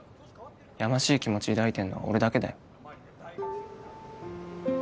やましい気持ち抱いてんのは俺だけだよ